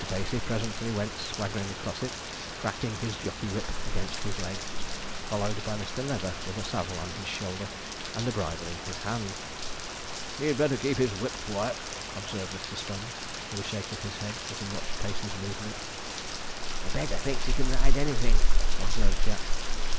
Pacey presently went swaggering across it, cracking his jockey whip against his leg, followed by Mr. Leather, with a saddle on his shoulder and a bridle in his hand. 'He'd better keep his whip quiet,' observed Mr. Sponge, with a shake of his head, as he watched Pacey's movements. 'The beggar thinks he can ride anything,' observed Jack.